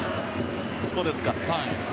そうですか。